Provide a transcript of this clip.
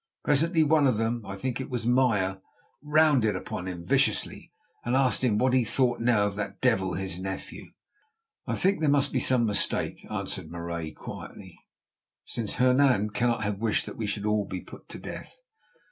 Presently one of them, I think it was Meyer, rounded on him viciously and asked him what he thought now of that devil, his nephew. "I think there must be some mistake," answered Marais quietly, "since Hernan cannot have wished that we should all be put to death."